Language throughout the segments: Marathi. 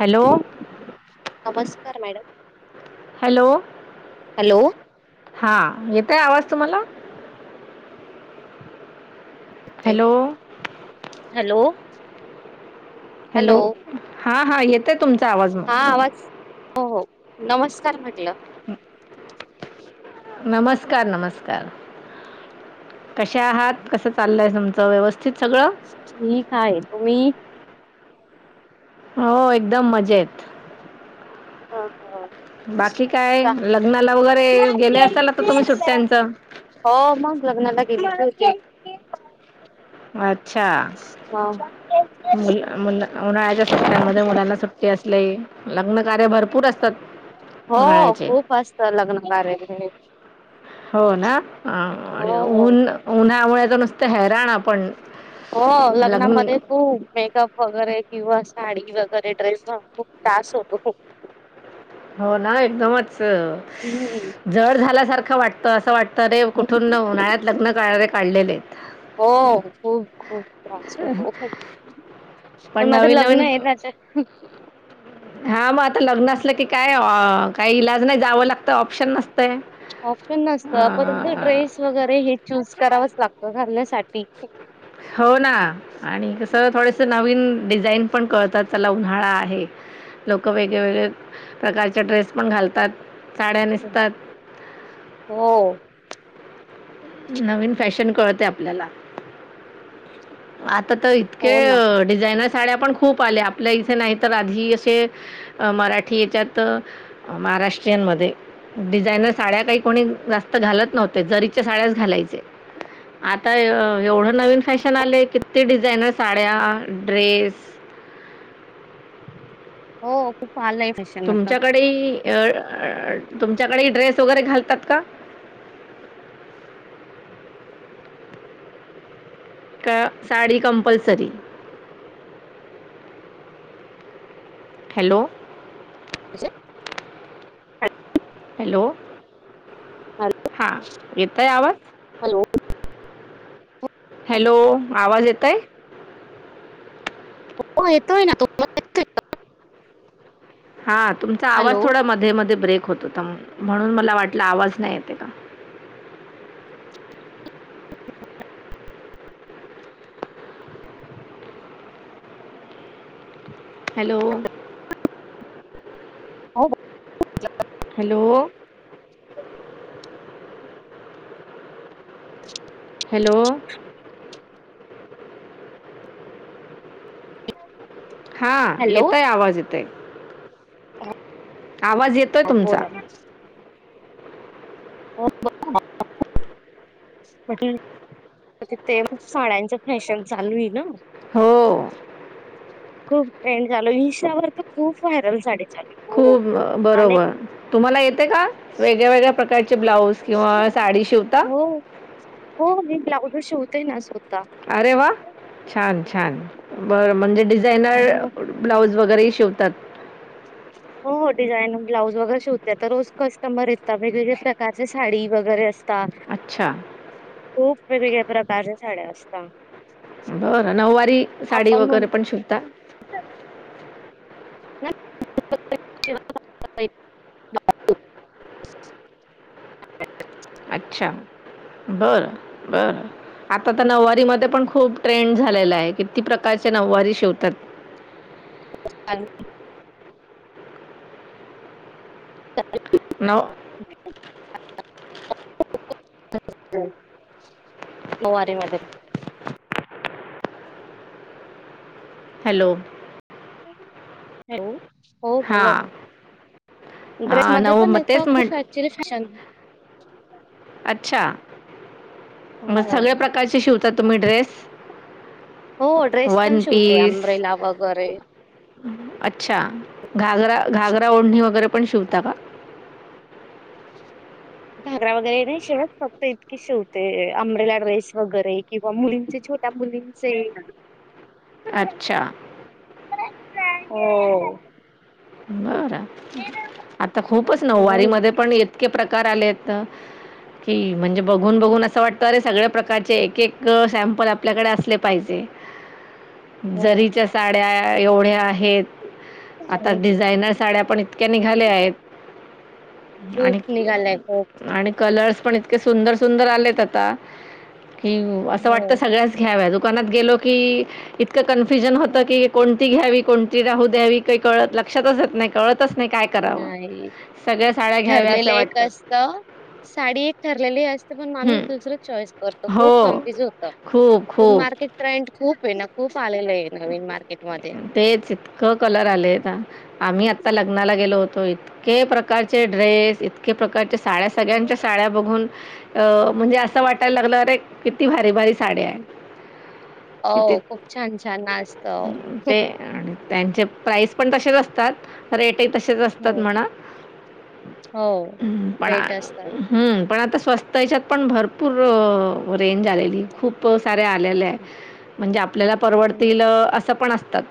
हॅलो! नमस्कार मॅडम! हॅलो! हॅलो! हा येतोय, आवाज तुम्हाला? हॅलो! हॅलो! हॅलो! हा हा येतोय तुमच हा, आवाज हो हो नमस्कार! म्हटलं. नमस्कार नमस्कार! कशा आहात कसं चाललंय तुमच व्यवस्था? ठीक आहे, तुम्ही? हो, एकदम मजेत. हा हा. बाकी काय का? लग्नाला वगैरे मला गेले केक असाल आता तुम्ही देना? सुट्ट्यांचं हो, मग लग्नाला गेले होते. अच्छा! मु- मु उन्हाळ्याच्या सुट्ट्यांमध्ये मुलांना सुट्टी असली लग्न कार्य भरपूर असतात हो, उन्हाळ्याचे खूप असतं लग्न कार्य हो, ना हो हो उन- उन्हामुळे तर नुसत हैराण आपण. हो, लग्न लग्नामध्ये खूप मेकअप वगैरे किंवा साडी वगैरे ड्रेस खूप त्रास होतो. हो ना, एकदमच हम्म जड झाल्यासारखं वाटतं. असं वाटतं रे कुठून? उन्हाळ्यात लग्न कार्य काढलेले आहेत. हो, खूप- खूप त्रास होतो. पण माझं लग्न आहे त्याच हा, मग आता लग्न असलं की काय काही इलाज नाही जावं लागतं ऑप्शन नसतंय. ऑप्शन नसत, परत हे अ, ड्रेस वगैरे हे चूज कराव लागत घालण्यासाठी. हो ना., आणि कस थोडेस नवीन डिझाईन पण कळतात चला उन्हाळा आहे. लोक वेगळेवेेगळे प्रकारचे ड्रेस पण घालतात. साड्या नेसतात. हो नवीन फॅशन कळते आपल्याला आता इतके हो ना डिझाईन साड्या पण खूप आल्या, आपल्या इथे नाही तर आधी असे मराठी याच्यात महाष्ट्रीय मध्ये डिझायनर साड्या काही कोणी जास्त घालत नव्हते जरी च्या साड्याच घालायचे. आता एवढं नवीन फॅशन आले, किती डिझाईनर साड्या ड्रेस [unintelligible] हो, खूप. आलंय फॅशन आता. तुमच्याकडे अ अ तुमच्याकडे ड्रेस वगैरे घालतात का? का साडी कंपलसरी? हॅलो! कसे? हॅलो! हा, येतोय आवाज? Hello hello! आवाज येतयं? हो येतोय ना [inaudible] हा, तुमचा आवाज हॅलो थोडा मध्ये मध्ये ब्रेक होत होता, म्हणून मला वाटला आवाज नाही येते का? हॅलो? हो. [inaudible] हॅलो? [inaudible] हॅलो? [unintelligible] हा, हॅलो येतय हो, आवाज, येतय. आवाज येतोय तुमचा. बोला ना. हो. [unintelligible] म्ह [unintelligible] ति [unintelligible] साड्यांच फॅशन चालू आहे ना? हो. खूप ट्रेंड झालो. इन्स्टावर तर खूप व्हायरल साडी चालू आहे. हो खूप अनेक बरोबर, तुम्हाला येते का? वेगळ्या वेगळ्या प्रकारची हो, हो. मी ब्लाउज शिवतेय ना, स्व अरे वा! छान, छान बर म्हणजे डिजि [unintelligible] जाणार. हो ब्लाऊज वगैरेही शिवतात. हो, हो. डिझाईन ब्लाऊज वगैरे शिवते, तर रोज कस्टमर वेगवेगळे प्रकारचे साडी वगैरे असते. ता, अच्छा. खूप वेगवेगळ्या प्रकारच्या साड्या असता. बरं, नऊवारी साडी वगैरे म्हणतो पण शिवता? [unintelligible] [unintelligible] अच्छा. बरं. बरं. आता तर नऊवारी मध्ये पण खूप ट्रेंड झालेला आहे. किती प्रकारचे नऊवारी शिवतात! [inaudible] [unintelligible] चालेल नव [unintelligible] नऊवारी मध्ये हॅलो? हॅलो हो, बोला. हां, का ड्रेस हां, मध्ये नऊ पण मग येत तेच म्हण खूप ऍक्चुली फॅशन [unintelligible] अच्छा, मग सगळ्या प्रकारचे शिवता तुम्ही ड्रेस? हो, हो. ड्रेस पण वन शिवते, पीस आंब्रेला वगैरे. अच्छा, घागरा घागरा ओढणी वगैरे. पण शिवता का? घागरा वगैरे नाही शिवत. फक्त इतकेच शिवते, अंबरेला ड्रेस वगैरे किंवा मुलींचे हो. त्या मुलींचे अच्छा. हो. बरं, आता खूपच हो नऊवारी ना मध्ये पण इतके प्रकार करायला येतं. कि म्हणजे, बघून बघून असं वाटतं, अरे सगळ्या प्रकारचे एक एक सॅम्पल आपल्याकडे असले पाहिजे. हो जरीच्या साड्या एवढ्या आहेत. तर, हो. डिझायनर साड्या पण इतक्या निघाल्या आहेत. आणि खूप निघालाय खूप [unintelligible] आणि कलर्स पण इतके सुंदर सुंदर आलेत आता, कि असं हो वाटत, सगळ्याच घ्याव्या गं. दुकानात गेलो की, इतकं कन्फ्युजन होतं की, कोणती घ्यावी कोणती राहू द्यावी, काही कळत, लक्षातच येत नाही, कळतच नाही काय करावं नाही सगळ्या साड्या ठरलेलं घ्यावश्या एक वाटतात. असतं साडी एक ठरलेली असते. पण माणूस हं. दुसर चॉईस करतो खूप हो कन्फ्युज होतं. खूप खूप मग ती ट्रेंड खूप आहे ना खूप आलेलं आहे नवीन मार्केटमध्ये. तेच इतकं कलर आलेय आम्ही आता लग्नाला गेलो होतो. इतके प्रकारचे ड्रेस इतके प्रकारच्या साड्या सगळ्यांच्या हो साड्या बघून. अ म्हणजे असं वाटायला लागलं अरे किती भारी भारी साड्या आहेत. किती हो खूप छान छान ना असतं. अं, ते आणि त्यांचे प्राईस पण तसेच असतात. रेट तसेच असतात हो ना हो, म्हणा रेट असतात. हा पण आता स्वस्त याच्यात पण भरपूर रेंज आलेली खूप सारे आलेले आहे. म्हणजे आपल्याला हो तेलं असं पण असतात.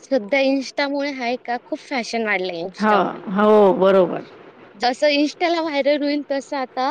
सध्या इन्स्टामुळे आहे का खूप फॅशन फॅशन वाढली हो, इन्स्टामुळे हो बरोबर. जस इन्स्टाला व्हायरल होईल तस आता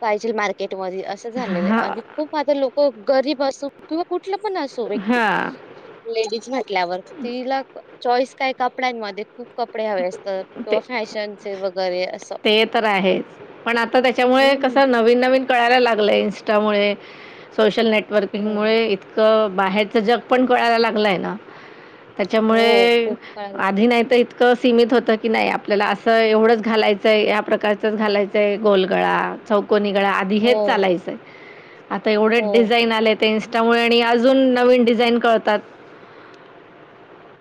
पाहिजे मार्केट मध्ये अस झालेलं आहे हां, आणि खूप आता लोक गरीब असो किंवा कुठं पण असो व्यक्ती हां. लेडीज म्हटल्यावर तिला चॉईस काय कपड्यांमध्ये खूप कपडे हवे असत. ते ते तर आहेच पण आता त्याच्यामुळे कस हम्म नवीन नवीन कळायला लागलं इन्स्टामुळे सोशल हो नेटवर्किंगमुळे इतकं बाहेरच जग पण कळायला लागलंय ना हो त्याच्यामुळे खूप कळायला लागलंय आधी नाही तर इतं सीमित होतं की नाही आपल्याला असं एवढंच घालायचंय या प्रकारचच घालायचंय गोलगळा चौको णी गळा आधी हेच हो चालायचं आता एवढे हो डिझाईन आलेत इन्स्टा त्यामुळे आणि अजून नवीन डिझाईन कळतात.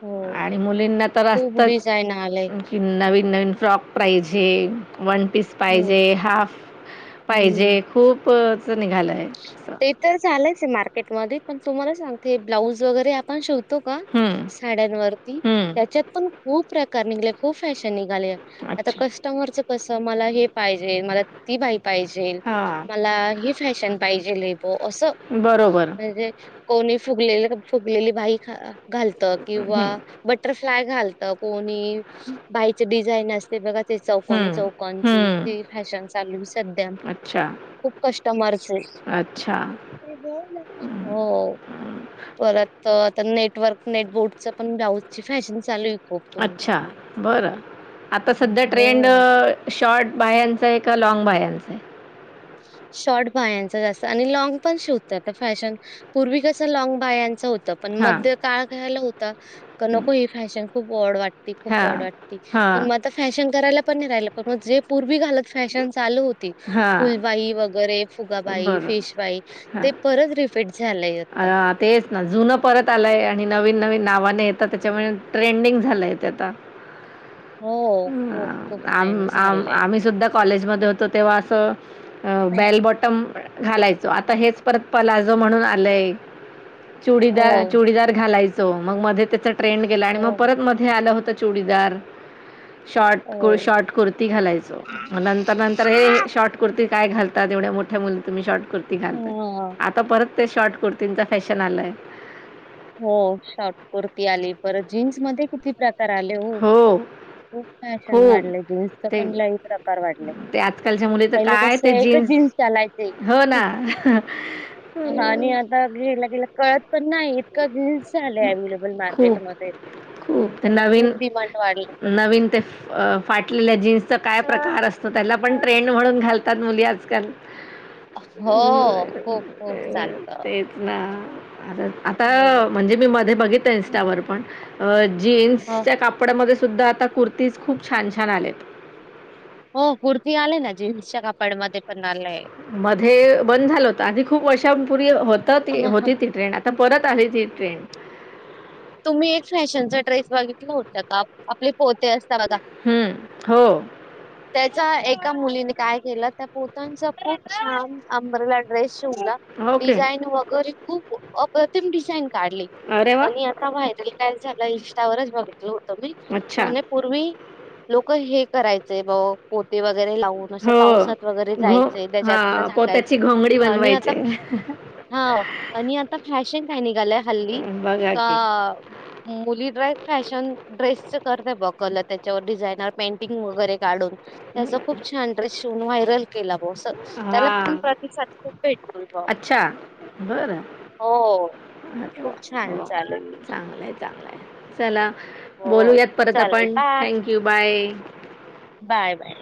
हो आणि मुलींना तर खूप असतच डिझाईन आलंय कि नवीन नवीन स्टॉक प्राजिंग वन पीस हम्म पाहिजे, हाफ पाहिजे हम्म खूपच निघालंय. ते तर चालंयच आहे. मार्केटमध्ये पण तुम्हाला सांगते ब्लाउज वगैरे आपण शिव तो का हं, साड्यांवरती हं. त्याच्यात पण खूप प्रकार निघले खूप फॅशन आहे आता अच्छा कस्टमर च कस मला हे पाहिजे मला ती माहिती पाहिजे हां मला हे फॅशन पाहिजे हे हो अस बरोबर म्हणजे कोणी फुगलेल फुगलेली बाही घालत किंवा हं, बटर फ्लॉय घालत कोणी बाहीच डिझाईन असते बघा ते. ते चौकानी हं, चौकांन ची हं. ते फॅशन चालू सध्या अच्छा, खूप कस्टमरस आहे. अच्छा, हो, परत तर नेटवर्क नेटबोर्डचं पण ब्लाऊजची फॅशन चालू आहे. खूप तुम्हाला अच्छा, सांगते बरं आता सध्या ट्रेंड हो शॉर्ट बाह्यांच का लॉग बाह्याच शॉर्ट बाह्यच जास्त आणि लाँग पण शिवतात फॅशन पूर्वी कस लाँग बाह्याच होत. पण हां, मध्ये काळ घायला होता. तर हं. नको ही फॅशन खूप वॉड वाटते. खूपच ऑड हां, वाटतय पण हां, मग आता फॅशन करायला पण नाही राहिलं पण मग जे पूर्वी घालत फॅशन चालू होती. हां. फुलबाई वगैरे फुगाबाई, बरं. फिश भाई ते परत रिफीट अ तेच ना जुनं परत आलाय आणि नवीन नवीन नावाने येतात त्याच्यामुळे ट्रेंडिंग झालंय आता हो हो अं, आम आम्ही सुद्धा कॉलेज मध्ये होतो तेव्हा असं बेल बॉटम घालायचो आता हेच परत पलाजो म्हणून आलय हो, चुडीदार चुडीदार घालायचो मग मध्ये त्याच ट्रेंड गेला आणि मग हो, परत मध्ये आलं होतं चुडीदार शॉट हो. शॉर्ट कुर्ती घालायचो नंतर नंतर हे शॉर्ट कुर्ती काय घालतात एवढ्या मोठ्या मुली तुम्ही शॉर्ट कुर्ती हां. घालताात आता परत ते शॉर्ट कुर्तींचा फॅशन आलाय. हो शॉर्ट कुर्ती आली पर जीन्स मध्ये किती प्रकार आले हो. खूप फॅशन खूप वाढले जीन्सच ते पण लही प्रकार वाढले. ते आजकालच्या मुली तर पहिले काय कस ते एकच जीन्स चालायचं हो ना आणि आता गेला गे कळत पण नाही इतका गल् झालं अव्लेबल खूप मार्केटमध्येध्ये खूप ते नवीन नवीन ते फाटलेल्या जीन्स काय प्रकार असतो त्याला पण ट्रेंड म्हणून घालतात मुली आजकाल हो, ह् खूप खूप चालतं. तेच ना. आता हो. आता म्हणजे मी मध्ये बघित हं. इनस्टावर पण हो, जीन्सच्या कापडमध्ये सुद्धा आता कुर्तीज खूप छान छान आलेत. हो कुर्ती आले ना जीन्सच्या कापडमध् येध्ये पण आलंय. मध्ये बंद झालं होत आधी खूप वर्षांपूर्वी होत हा, हा. होती ती ट्रेन आता परत आली ती ट्रेन. तुम्ही एक फॅशनचा ड्रेस बघितल होत का आपले पोते अस. हम्म हो. चाय एका मुली काय केलं त्या पोतांचा खूप छान अंब्रेला ड्रेस शिवाला ओके. डिझाईन वगैरे खूप अप्रतिम डिझाईन काढली अरे वाह! आणि आ फायनली काय झालं इनस्टावरच बघितलं होतं मी अच्छा. म्हणे पूर्वी लोक हे करायचे ब पोते वग वगैरे लावून असं हो. पावसात वगैरे घो जायचे त्याच्यातन हां, झाकायचे पोत्याची घोंगडी आणि बनवायची आता आहे. हा आणि आता फॅशन काय निघाल्या हल्ली बघा गा. आ की. मुली ड्रेस फॅशन ड्रेस. सकरतय बघ कलर त्याच्यावर डिझायनर पेंटिंग वगैरे काढून हे अस खूप छान ड्रेस शिवून व्हायरल केला बघ अस त्याला पण हां. प्रतिसाद खूप भेट होय का? अच्छा. बरं. हो हो हो. वा वा चांगलंय चांगलंय चला हो बोलूयात परत चालेल आपण thank you bye. Bye bye.